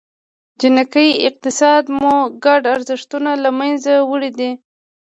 جنګي اقتصاد مو ګډ ارزښتونه له منځه وړي دي.